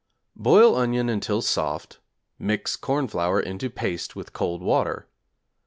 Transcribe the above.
Boil onion until soft; mix corn flour into paste with cold water.